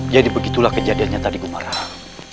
jadi begitulah kejadiannya tadi gumarah